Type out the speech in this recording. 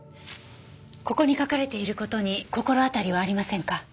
ここに書かれている事に心当たりはありませんか？